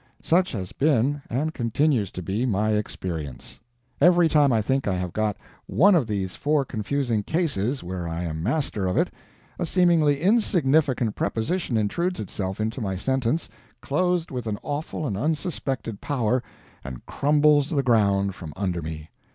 Such has been, and continues to be, my experience. Every time I think I have got one of these four confusing "cases" where I am master of it, a seemingly insignificant preposition intrudes itself into my sentence, clothed with an awful and unsuspected power, and crumbles the ground from under me.